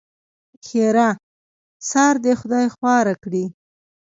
ښېرا؛ سار دې خدای خواره کړي!